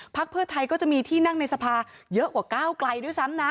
เพื่อไทยก็จะมีที่นั่งในสภาเยอะกว่าก้าวไกลด้วยซ้ำนะ